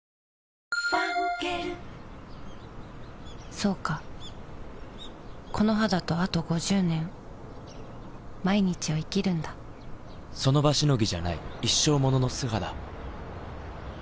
そうかこの肌とあと５０年その場しのぎじゃない一生ものの素肌